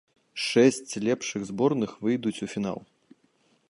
Шэсць лепшых зборных выйдуць у фінал.